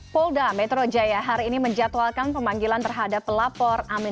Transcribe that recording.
polda metro jaya hari ini menjatuhkan pemanggilan terhadap pelapor amin rais terkait kasus dugaan